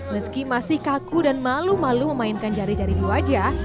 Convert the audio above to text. meski masih kaku dan malu malu memainkan jari jari di wajah